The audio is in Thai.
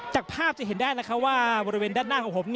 จากภาพจะเห็นได้แล้วว่าบริเวณด้านหน้าของผม